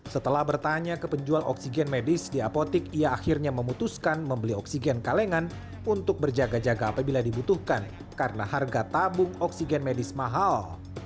setelah bertanya ke penjual oksigen medis di apotik ia akhirnya memutuskan membeli oksigen kalengan untuk berjaga jaga apabila dibutuhkan karena harga tabung oksigen medis mahal